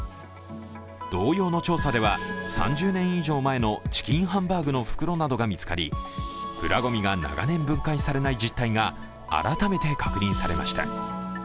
同様の調査では３０年前のチキンハンバーグの袋などが見つかりプラゴミが長年分解されない実態が、改めて確認されました。